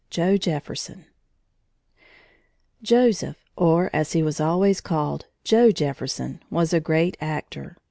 JOE JEFFERSON Joseph, or as he was always called, Joe Jefferson was a great actor.